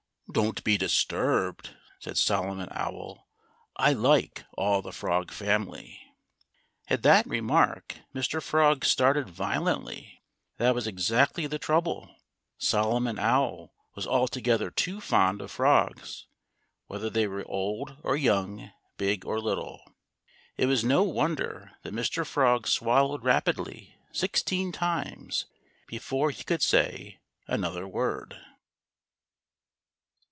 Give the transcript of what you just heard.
"Don't be disturbed!" said Solomon Owl. "I like all the Frog family." At that remark, Mr. Frog started violently That was exactly the trouble! Solomon Owl was altogether too fond of frogs, whether they were old or young, big or little. It was no wonder that Mr. Frog swallowed rapidly sixteen times before he could say another word.